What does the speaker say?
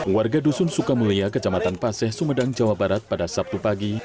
warga dusun sukamulia kecamatan paseh sumedang jawa barat pada sabtu pagi